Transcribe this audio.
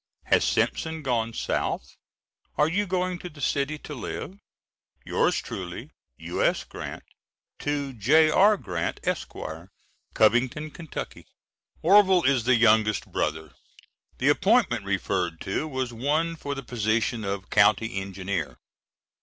Has Simpson gone South? Are you going to the city to live? Yours truly, U.S. GRANT. To J.R. GRANT, ESQ., Covington, Ky. [Orvil is the youngest brother. The appointment referred to was one for the position of County Engineer.